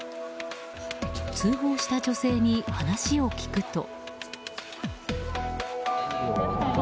通報した女性に話を聞くと。